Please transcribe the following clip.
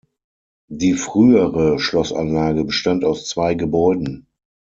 Die frühere Schlossanlage bestand aus zwei Gebäuden.